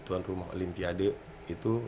tuan rumah olimpiade itu